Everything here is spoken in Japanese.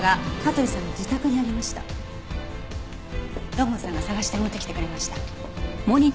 土門さんが探して持ってきてくれました。